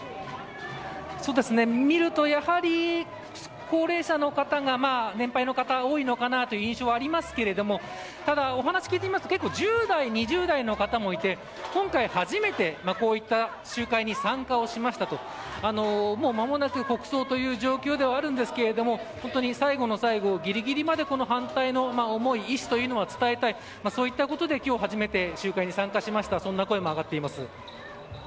見ると、やはり年配の方が多いのかなという印象はありますけどただ、お話を聞いてみますと１０代、２０代の方もいて今回初めて、こういった集会に参加をしましたともう、まもなく国葬という状況ではあるんですけど本当に最後の最後ぎりぎりまで反対の思い、意思を伝えたい、そういったことで今日初めて集会に参加しましたそんな声も上がっています。